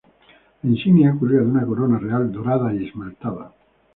La insignia cuelga de una corona real dorada y esmaltada.